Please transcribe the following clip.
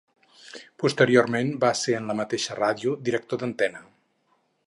Posteriorment va ser en la mateixa ràdio Director d'Antena.